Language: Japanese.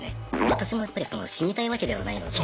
私もやっぱり死にたいわけではないので。